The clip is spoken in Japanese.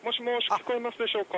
聞こえますでしょうか？」